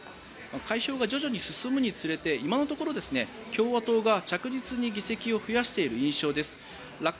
開票が徐々に進むにつれて今のところ共和党が着実に議席を増やしている印象です。